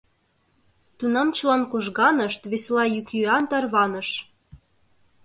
Тунам чылан кожганышт, весела йӱк-йӱан тарваныш.